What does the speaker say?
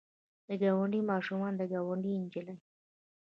د ګاونډي ماشوم د ګاونډۍ نجلۍ.